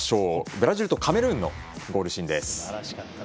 ブラジルとカメルーンのゴールシーンです。